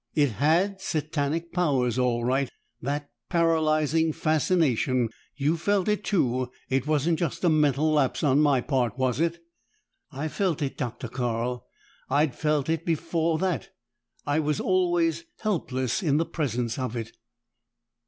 It had satanic powers, all right that paralyzing fascination! You felt it too; it wasn't just a mental lapse on my part, was it?" "I felt it, Dr. Carl! I'd felt it before that; I was always helpless in the presence of it."